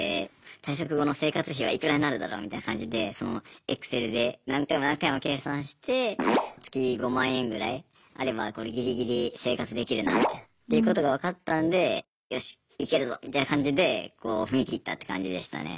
退職後の生活費はいくらになるだろうみたいな感じでＥｘｃｅｌで何回も何回も計算して月５万円ぐらいあればこれギリギリ生活できるなみたいなということが分かったんでよしイケるぞみたいな感じでこう踏み切ったって感じでしたね。